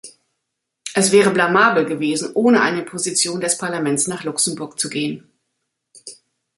Es wäre blamabel gewesen, ohne eine Position des Parlaments nach Luxemburg zu gehen.